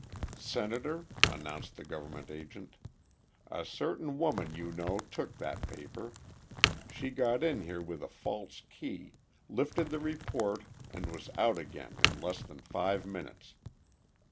"Senator," announced the government agent, "a certain woman you know took that paper. She got in here with a false key, lifted the report and was out again in less than five minutes.